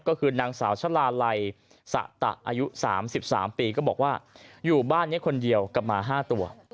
ก็คือนางสาวชะลาลัยสะตะอายุ๓๓ปีก็บอกว่าอยู่บ้านนี้คนเดียวกับหมา๕ตัว